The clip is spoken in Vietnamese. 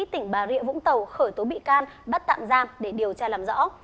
tỉnh bà rịa vũng tàu khởi tố bị can bắt tạm giam để điều tra làm rõ